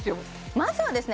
まずはですね